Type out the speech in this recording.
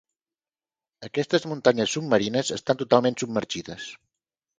Aquestes muntanyes submarines estan totalment submergides.